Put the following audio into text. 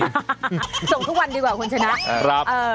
ส่งทุกวันดีกว่าคุณชนะ